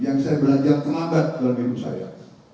yang saya belajar terlambat dalam hidup saya